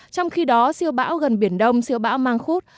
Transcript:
trong khi đó siêu bão gần biển đông siêu bão mang khúc